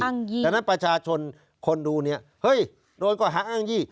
ดังนั้นประชาชนคนดูเนี่ยเฮ้ยโดนก็หาอ้างยี่